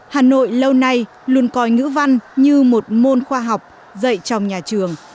hà nội lâu nay luôn coi ngữ văn như một môn khoa học dạy trong nhà trường